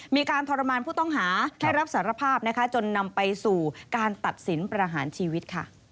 ทรมานผู้ต้องหาให้รับสารภาพจนนำไปสู่การตัดสินประหารชีวิต